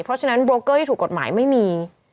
เพราะฉะนั้นโบรกเกอร์ที่ถูกกฎหมายไม่มี